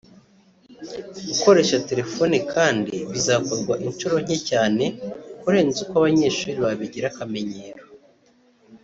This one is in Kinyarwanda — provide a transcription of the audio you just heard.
Gukoresha telefone kandi bizakorwa inshuro nke cyane kurenza uko abanyeshuri babigira akamenyero